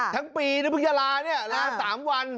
ทั้งปีเดี๋ยวเพิ่งจะลาลา๓วัน